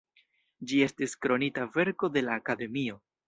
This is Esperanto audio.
Ĝi estis Kronita verko de la Akademio.